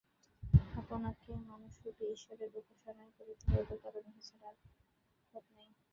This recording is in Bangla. আপনাকে মানুষরূপী ঈশ্বরের উপাসনাই করিতে হইবে, কারণ ইহা ছাড়া আর পথ নাই।